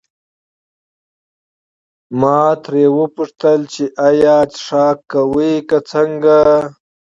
ما ترې وپوښتل چې ایا څښاک کوو که څنګه.